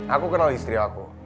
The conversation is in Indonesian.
aku kenal istri aku